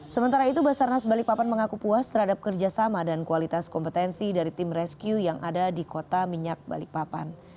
sementara itu basarnas balikpapan mengaku puas terhadap kerjasama dan kualitas kompetensi dari tim rescue yang ada di kota minyak balikpapan